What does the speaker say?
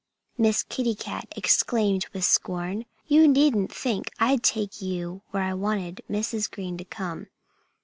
Miss Kitty Cat exclaimed with scorn. "You needn't think I'd take you where I want Mrs. Green to come.